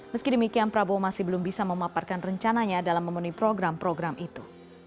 meski demikian prabowo masih belum bisa memaparkan rencananya dalam memenuhi program program itu